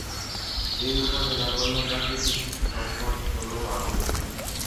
এ উপজেলার অন্য প্রাকৃতিক সম্পদ হল বালু।